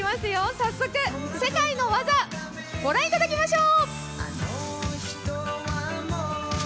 早速世界の技、御覧いただきましょう！